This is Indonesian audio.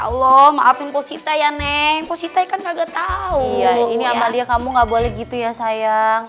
allah maafin posita ya neng posita kan kagak tahu iya ini amalia kamu nggak boleh gitu ya sayang